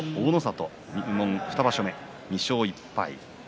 ２場所目２勝１敗